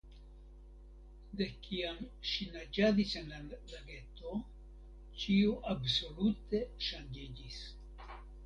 De kiam ŝi naĝadis en la lageto, ĉio absolute ŝanĝiĝis.